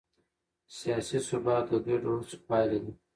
سیاسي ثبات د ګډو هڅو پایله ده